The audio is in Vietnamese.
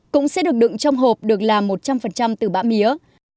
cũng sẽ được đựng trong hộp được làm một trăm linh từ bã mía